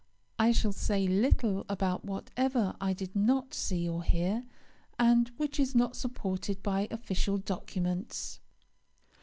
I shall say little about whatever I did not see or hear, and which is not supported by official documents.